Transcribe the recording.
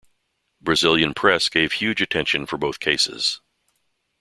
Brazilian press gave huge attention for both cases.